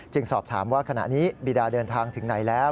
สอบถามว่าขณะนี้บีดาเดินทางถึงไหนแล้ว